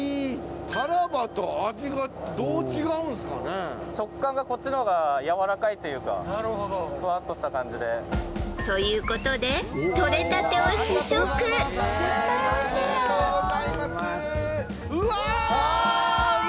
タラバと食感がこっちの方がやわらかいというかなるほどふわっとした感じでということでとれたてを試食ありがとうございますうわっ！